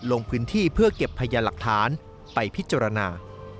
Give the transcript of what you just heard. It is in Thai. ลงพื้นที่เพื่อเก็บพยานหลักฐานไปพิจารณา